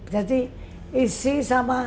jadi isi sama kulit